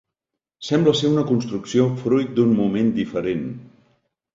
Sembla ser una construcció fruit d'un moment diferent.